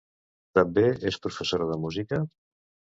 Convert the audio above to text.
També és professora de música?